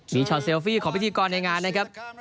มีชอตเซลฟี่ของพิธีกรในงานนะครับ